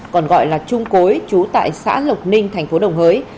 còn gọi là trung cối trú tại xã lộc ninh thành phố đồng hới